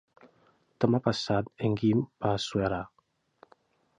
Demà passat en Quim va a Suera.